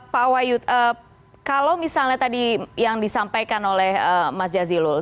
pak wahyu kalau misalnya tadi yang disampaikan oleh mas jazilul